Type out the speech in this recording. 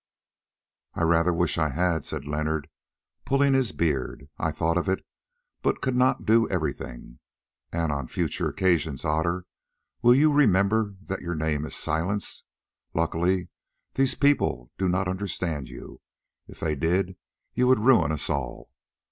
"I rather wish I had," said Leonard, pulling his beard. "I thought of it, but could not do everything; and on future occasions, Otter, will you remember that your name is Silence? Luckily, these people do not understand you: if they did you would ruin us all.